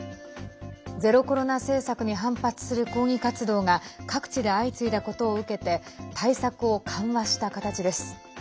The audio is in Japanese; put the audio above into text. ゼロコロナ政策に反発する抗議活動が各地で相次いだことを受けて対策を緩和した形です。